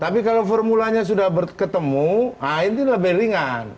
tapi kalau formulanya sudah berketemu nah ini lebih ringan